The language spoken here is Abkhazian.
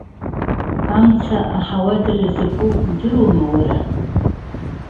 Амца аҳауадара закәу удыруама уара?